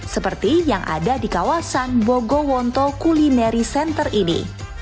seperti yang ada di kawasan bogowonto culinary center ini